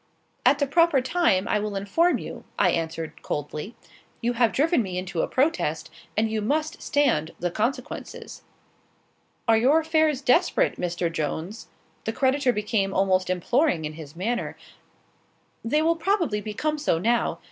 "At the proper time, I will inform you," I answered, coldly. "You have driven me into a protest, and you must stand the consequences." "Are your affairs desperate, Mr. Jones?" The creditor became almost imploring in his manner. "They will probably become so now.